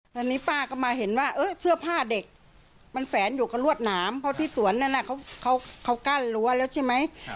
ตอนนี้ป้าก็มาเห็นว่าเสื้อผ้าเด็กมันแฝนอยู่กับรวดหนามเพราะที่สวนนั้นเขากั้นรั้วแล้วใช่ไหม